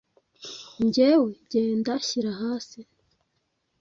Njyewe genda shyira hasi